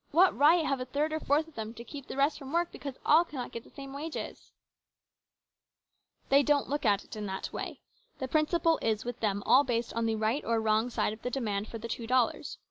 What right have a third or a fourth of them to keep the rest from work because all cannot get the same wages ?"" They don't look at it in that way. The prin ciple is, with them, all based on the right or wrong side of the demand for the two dollars.